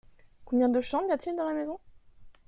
Combien de chambres y a-t-il dans la maison ?